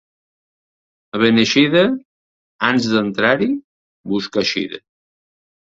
A Beneixida, ans d'entrar-hi, busca eixida.